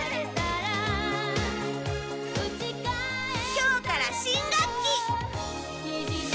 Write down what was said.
今日から新学期！